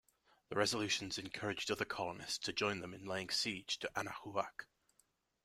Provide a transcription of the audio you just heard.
The resolutions encouraged other colonists to join them in laying siege to Anahuac.